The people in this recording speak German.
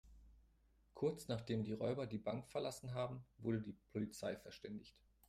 Kurz, nachdem die Räuber die Bank verlassen haben, wurde die Polizei verständigt.